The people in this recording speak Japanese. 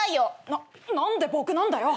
「なっ何で僕なんだよ。